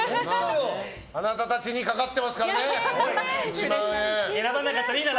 あなたたちにかかってますからね、１万円。